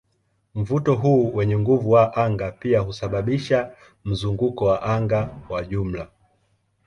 Mvuto huu wenye nguvu wa anga pia husababisha mzunguko wa anga wa jumla.